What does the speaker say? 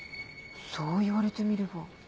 そう言われてみれば。